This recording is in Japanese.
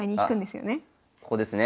ここですね。